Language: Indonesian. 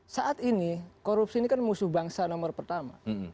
saat ini korupsi ini kan musuh bangsa nomor pertama